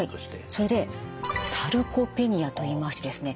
それでサルコペニアといいましてですね